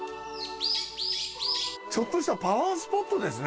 ちょっとしたパワースポットですね。